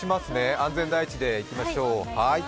安全第一でいきましょう。